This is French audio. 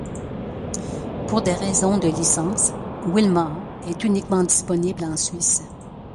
Pour des raisons de licence, Wilmaa est uniquement disponible en Suisse.